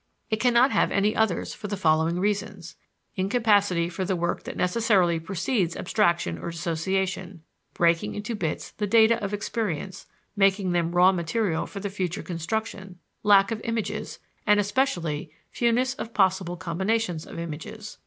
It cannot have any others for the following reasons: incapacity for the work that necessarily precedes abstraction or dissociation, breaking into bits the data of experience, making them raw material for the future construction; lack of images, and especially fewness of possible combinations of images.